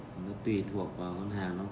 đã hoạt động được hơn hai tháng nay